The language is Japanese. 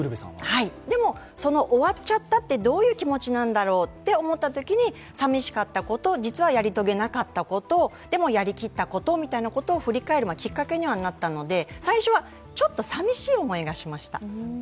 でも、その終わっちゃったってどういう気持ちだろうと思ったとき寂しかったこと、実はやり遂げなかったこと、でも、やり切ったことを振り返るきっかけにもなったので最初はちょっと寂しい思いがしました。